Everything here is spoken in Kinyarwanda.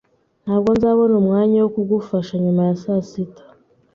Ntabwo nzabona umwanya wo kugufasha nyuma ya saa sita